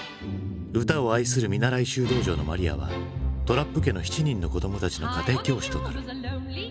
歌を愛する見習い修道女のマリアはトラップ家の７人の子供たちの家庭教師となる。